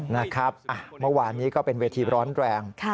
เมื่อวานนี้ก็เป็นเวทีร้อนแรง